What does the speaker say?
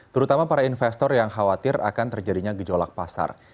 terutama para investor yang khawatir akan terjadinya gejolak pasar